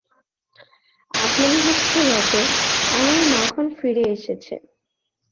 আজ মনে হচ্ছে বটে, আমার মাখন ফিরে এসেছে।